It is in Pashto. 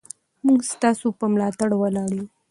موږ ستاسو په ملاتړ ولاړ یو.